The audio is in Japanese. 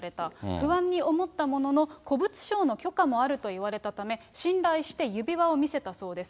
不安に思ったものの、古物商の許可もあると言われたため、信頼して指輪を見せたそうです。